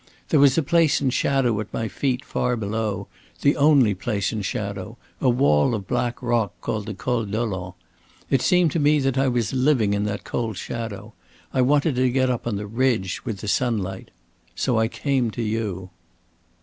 There was a place in shadow at my feet far below, the only place in shadow, a wall of black rock called the Col Dolent. It seemed to me that I was living in that cold shadow. I wanted to get up on the ridge, with the sunlight. So I came to you."